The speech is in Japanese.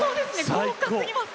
豪華すぎます。